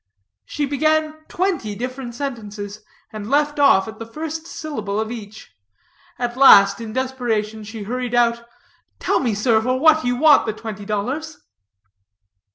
She began twenty different sentences, and left off at the first syllable of each. At last, in desperation, she hurried out, "Tell me, sir, for what you want the twenty dollars?"